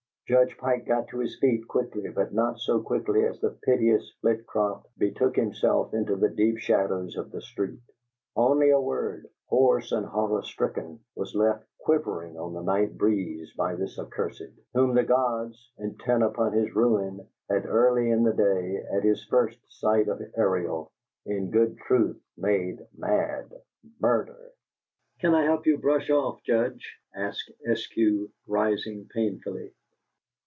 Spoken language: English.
Judge Pike got to his feet quickly, but not so quickly as the piteous Flitcroft betook himself into the deep shadows of the street. Only a word, hoarse and horror stricken, was left quivering on the night breeze by this accursed, whom the gods, intent upon his ruin, had early in the day, at his first sight of Ariel, in good truth, made mad: "MURDER!" "Can I help you brush off, Judge?" asked Eskew, rising painfully.